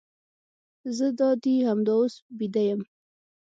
زه دادي همدا اوس بیده یم.